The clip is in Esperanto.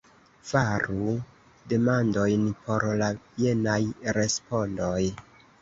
Faru demandojn por la jenaj respondoj.